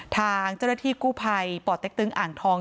ทางเจ้าหน้าที่กู้ภัยป่อเต็กตึงอ่างทอง